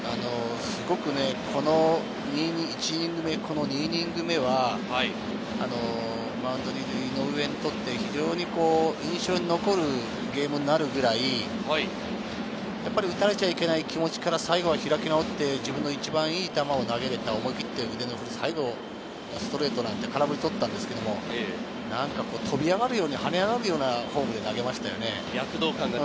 すごく１イニング目、この２イニング目は、井上にとって非常に印象に残るゲームになるくらい、やっぱり打たれちゃいけない気持ちから最後は開き直って自分の一番いい球を投げる、思い切って腕を振る、最後ストレートで空振りを取ったんですけれど、こみ上げるように跳ね上がるようなフォームで投げましたよね。